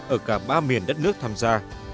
ở cả ba miền đất nước tham gia